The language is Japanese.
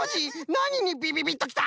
なににビビビッときた？